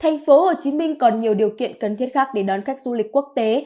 thành phố hồ chí minh còn nhiều điều kiện cần thiết khác để đón khách du lịch quốc tế